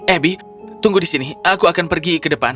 ebi tunggu di sini aku akan pergi ke depan